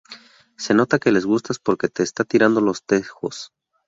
Se nota que le gustas porque te está tirando los tejos